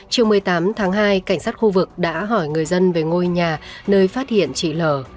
chiều một mươi tám tháng hai cảnh sát khu vực đã hỏi người dân về ngôi nhà nơi phát hiện chị lở